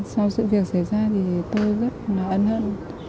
sau sự việc xảy ra thì tôi rất là ân hận